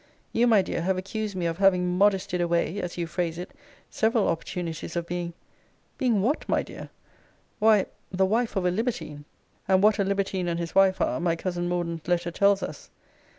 You, my dear, have accused me of having modesty'd away, as you phrase it, several opportunities of being Being what, my dear? Why, the wife of a libertine: and what a libertine and his wife are my cousin Morden's letter tells us.